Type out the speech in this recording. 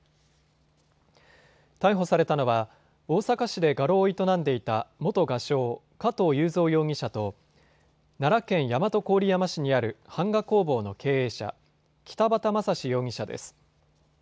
逮捕されたのは大阪市で画廊を営んでいた元画商、加藤雄三容疑者と奈良県大和郡山市にある版画工房の経営者、北畑雅史容疑者です。